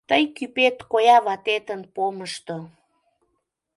Тый кӱпет коя ватетын помышто.